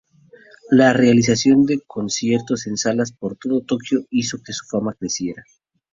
La realización de conciertos en salas por todo Tokyo hizo que su fama creciera.